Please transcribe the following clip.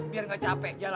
biar gak capek jalan mulu